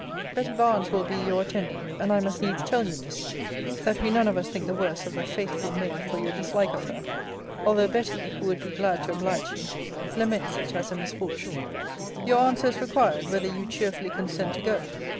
Betty Barnes will be your attendant: and I must needs tell you, Miss, that we none of us think the worse of the faithful maid for your dislike of her: although Betty, who would be glad to oblige you, laments it as a misfortune. Your answer is required, whether you cheerfully consent to go?